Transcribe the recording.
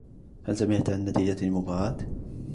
هل سمعت عن نتيجة المباراة ؟